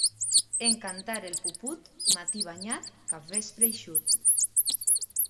En cantar el puput, matí banyat, capvespre eixut.